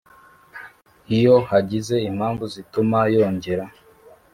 Iyo hagize impamvu zituma yongera